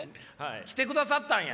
来てくださったんや。